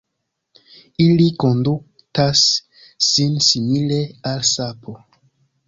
Ili kondutas sin simile al sapo.